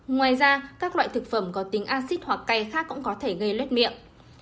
ngoài ra các loại thực phẩm có tính acid hoặc cay khác cũng có thể gây lét miệng